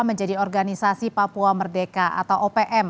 menjadi organisasi papua merdeka atau opm